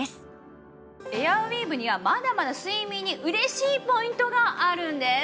エアウィーヴにはまだまだ睡眠に嬉しいポイントがあるんです。